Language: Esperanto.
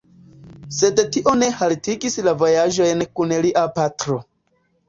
Sed tio ne haltigis la vojaĝojn kun lia patro.